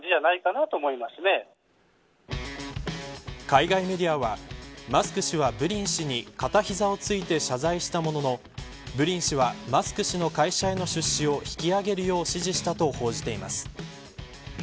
海外メディアはマスク氏はブリン氏に片膝をついて謝罪したもののブリン氏はマスク氏への会社への出資を引き揚げるよう指示したと報じています。